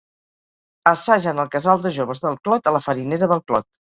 Assagen al Casal de Joves del Clot a la Farinera del Clot.